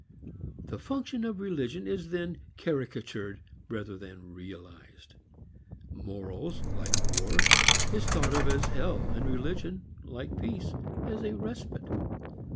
The function of religion is then caricatured rather than realized. Morals, like war, is thought of as hell, and religion, like peace, as a respite.